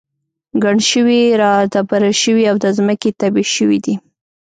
ګڼ شوي را دبره شوي او د ځمکې تبی شوي دي.